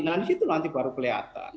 nah disitu nanti baru kelihatan